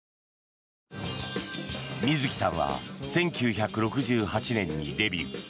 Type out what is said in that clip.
水木さんは１９６８年にデビュー。